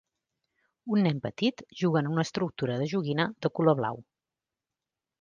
Un nen petit juga en una estructura de joguina de color blau